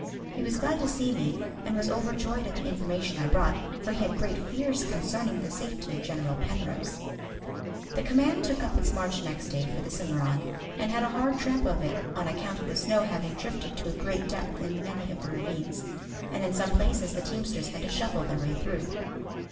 He was glad to see me, and was overjoyed at the information I brought, for he had great fears concerning the safety of General Penrose. The command took up its march next day for the Cimarron, and had a hard tramp of it on account of the snow having drifted to a great depth in many of the ravines, and in some places the teamsters had to shovel their way through.